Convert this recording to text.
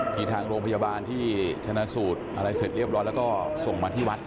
มีทางโรงพยาบาลที่ชนะสูตรอะไรเสร็จเรียบร้อยแล้วก็ส่งมาที่วัด